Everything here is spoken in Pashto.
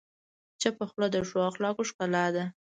چپه خوله، د ښه اخلاقو ښکلا ده.